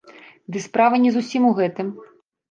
Ды справа не зусім у гэтым.